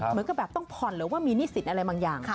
เหมือนกับต้องพรหรือว่ามีนิสิทธิ์อะไรบางอย่าง